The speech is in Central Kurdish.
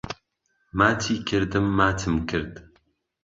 ماچی کردم ماچم کرد